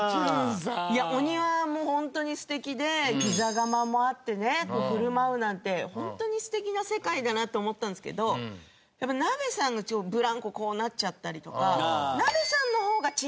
いやお庭もホントに素敵でピザ窯もあってね振る舞うなんてホントに素敵な世界だなって思ったんですけどやっぱナベさんがブランコこうなっちゃたりとか。